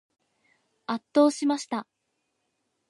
圧倒しました。